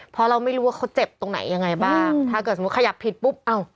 เพราะเราไม่รู้ว่าเขาเจ็บตรงไหนยังไงบ้างถ้าเกิดสมมุติขยับผิดปุ๊บอ้าว